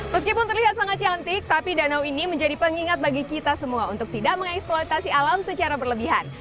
meskipun terlihat sangat cantik tapi danau ini menjadi pengingat bagi kita semua untuk tidak mengeksploitasi alam secara berlebihan